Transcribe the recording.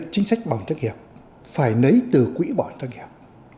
chính sách bảo hiểm thất nghiệp phải lấy từ quỹ bảo hiểm thất nghiệp